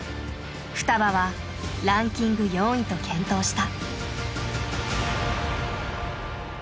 ふたばはランキング４位と健闘した。